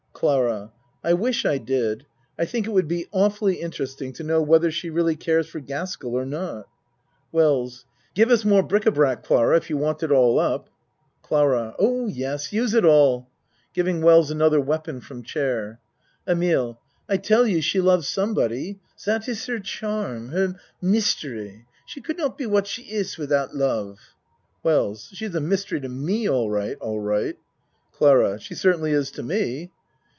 CLARA I wish I did. I think it would be aw fully interesting to know whether she really cares for Gaskell or not. WELLS Give us more bric a brac, Clara, if you ACT II 63 want it all up. CLARA Oh, yes, use it all. (Giving Wells an other weapon from chair.) EMILE I tell you she love somebody. Zat iss her charm her mystery. She could not be what she iss wiz out love. WELLS She's a mystery to me all right, all right. CLARA She certainly is to me.